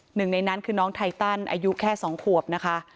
หนึ่งในนั้นคือน้องไทตันอายุแค่๒ขวบนะคะ